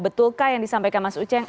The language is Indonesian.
betulkah yang disampaikan mas uceng